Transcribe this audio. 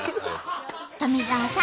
富澤さん